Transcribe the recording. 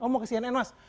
mau ke cnn mas